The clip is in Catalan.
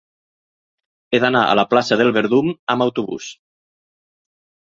He d'anar a la plaça del Verdum amb autobús.